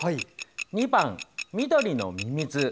２番、緑のミミズ。